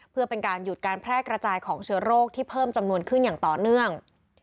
เพื่อเป็นการหยุดการแพร่กระจายของเชื้อโรคที่เพิ่มจำนวนขึ้นอย่างต่อเนื่อง